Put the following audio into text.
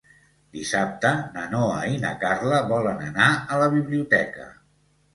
Dissabte na Noa i na Carla volen anar a la biblioteca.